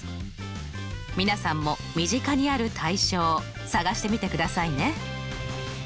皆さんも身近にある対称探してみてくださいね。